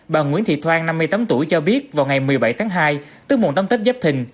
bà nguyễn thị thoan năm mươi tám tuổi cho biết vào ngày một mươi bảy tháng hai tức mùa tấm tết dắp thình